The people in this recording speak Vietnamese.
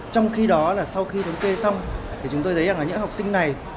trong khi đó sau khi thống kê xong chúng tôi thấy rằng những học sinh này